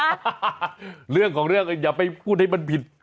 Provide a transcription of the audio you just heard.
เรื่องของเรื่องอย่าไปพูดให้มันผิด